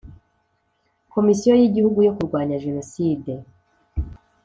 Komisiyo y Igihugu yo Kurwanya Jenoside